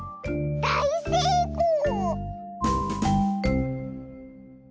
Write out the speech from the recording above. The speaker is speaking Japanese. だいせいこう！